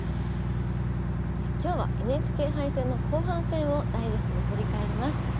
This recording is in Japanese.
今日はＮＨＫ杯戦の後半戦をダイジェストで振り返ります。